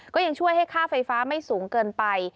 ก็ยังช่วยให้ค่าไฟฟ้าไม่สูงเกินไป